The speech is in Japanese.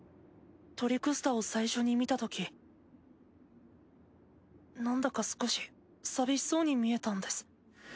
トリクスタを最初に見たときなんだか少し寂しそうに見えたんです。